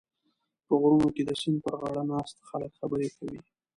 په غرونو کې د سیند پرغاړه ناست خلک خبرې کوي.